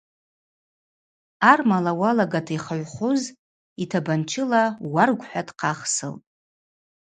Армала уалагата йхыгӏвхуз йтабанчыла уаргв – хӏва дхъахсылтӏ.